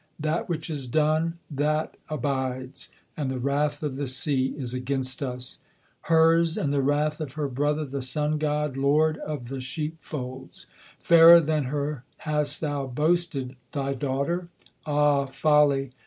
That which is done, that abides; and the wrath of the sea is against us; Hers, and the wrath of her brother, the Sun god, lord of the sheepfolds. Fairer than her hast thou boasted thy daughter? Ah folly!